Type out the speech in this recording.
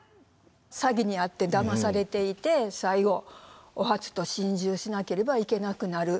詐欺に遭ってだまされていて最後お初と心中しなければいけなくなる。